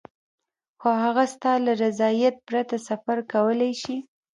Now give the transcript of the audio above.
خو هغه ستا له رضایت پرته سفر کولای شي.